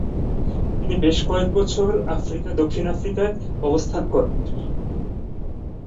তিনি বেশ কয়ক বছর দক্ষিণ আফ্রিকায় অবস্থান করেন।